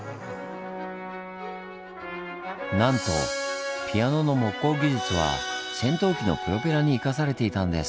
なんとピアノの木工技術は戦闘機のプロペラに生かされていたんです。